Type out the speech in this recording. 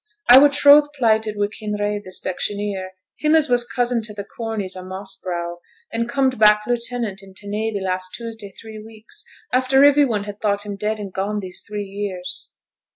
I were troth plighted wi' Kinraid the specksioneer, him as was cousin to th' Corneys o' Moss Brow, and comed back lieutenant i' t' navy last Tuesday three weeks, after ivery one had thought him dead and gone these three years.'